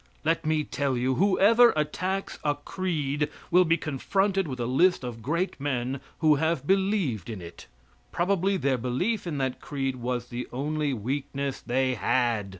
Let me tell you, whoever attacks a creed will be confronted with a list of great men who have believed in it. Probably their belief in that creed was the only weakness they had.